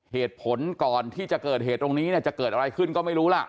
ก่อนที่จะเกิดเหตุตรงนี้เนี่ยจะเกิดอะไรขึ้นก็ไม่รู้ล่ะ